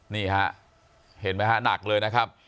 นี่ฮะเห็นไหมฮะหนักเลยนะครับ